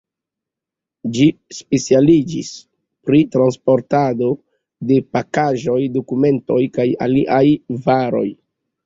Ĝi specialiĝis pri transportado de pakaĵoj, dokumentoj kaj aliaj varoj.